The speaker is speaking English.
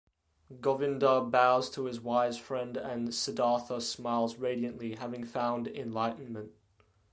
Govinda bows to his wise friend and Siddhartha smiles radiantly, having found enlightenment.